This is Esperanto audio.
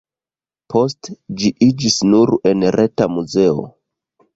Poste, ĝi iĝis nur-enreta muzeo.